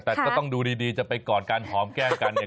แต่ก็ต้องดูดีจะไปกอดกันหอมแก้มกันเนี่ย